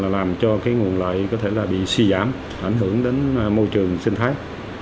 làm cho nguồn lợi có thể là bị suy giảm ảnh hưởng đến môi trường sinh thái